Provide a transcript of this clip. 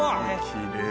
きれい。